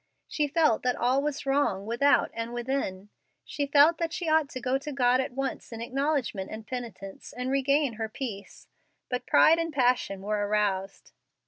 She felt that all was wrong without and within. She felt that she ought to go to God at once in acknowledgment and penitence, and regain her peace; but pride and passion were aroused.